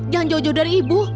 jangan jauh jauh dari ibu